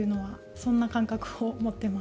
そんな感覚を持っています。